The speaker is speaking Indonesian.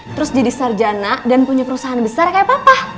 terus jadi sarjana dan punya perusahaan besar kayak papa